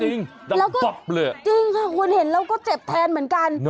จริงแล้วก็จริงค่ะคุณเห็นแล้วก็เจ็บแทนเหมือนกัน